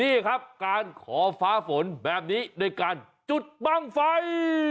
นี่ครับการขอฟ้าฝนแบบนี้ด้วยการจุดบ้างไฟ